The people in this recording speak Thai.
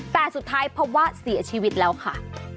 แต่สุดท้ายพบว่าเสียชีวิตแล้วค่ะ